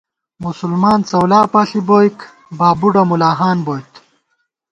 مسلمان څؤلا پاݪی بوئیک باب بُڈہ مُلاہان بوئیت